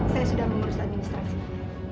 saya sudah mengurus administrasinya